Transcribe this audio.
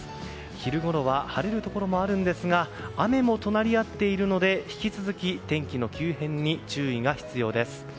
昼ごろは晴れるところもあるんですが雨も隣り合っているので引き続き天気の急変に注意が必要です。